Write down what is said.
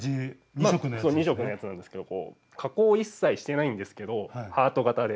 ２色のやつなんですけど加工を一切してないんですけどハート形でかわいくないですか？